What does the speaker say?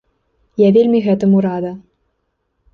Я вельмі гэтаму рада.